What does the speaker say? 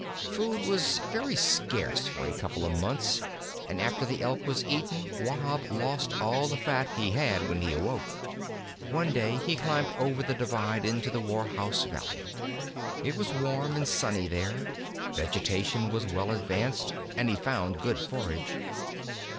Food was very scarce for a couple of months, and after the Elk was eaten, Wahb lost all the fat he had when he awoke. One day he climbed over the Divide into the Warhouse Valley. It was warm and sunny there, vegetation was well advanced, and he found good forage.